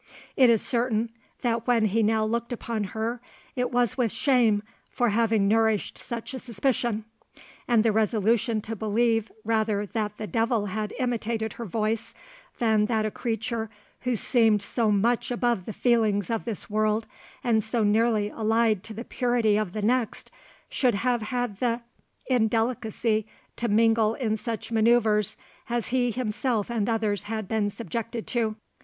It is certain, that when he now looked upon her, it was with shame for having nourished such a suspicion, and the resolution to believe rather that the devil had imitated her voice, than that a creature, who seemed so much above the feelings of this world, and so nearly allied to the purity of the next, should have had the indelicacy to mingle in such manoeuvres as he himself and others had been subjected to.